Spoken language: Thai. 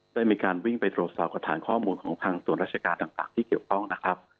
ได้มีการวิ่งไปตรวจสอบกับฐานข้อมูลของทางส่วนราชการต่างที่เกี่ยวข้องนะครับ